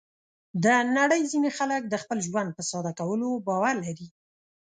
د نړۍ ځینې خلک د خپل ژوند په ساده کولو باور لري.